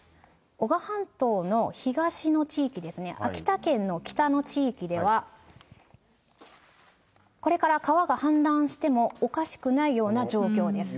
おが半島の東の地域ですね、秋田県の北の地域では、これから川が氾濫してもおかしくないような状況です。